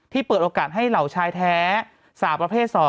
เปิดโอกาสให้เหล่าชายแท้สาวประเภท๒